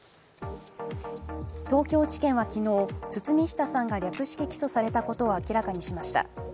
東京地検は昨日、堤下さんが略式起訴されたことを明らかにしました。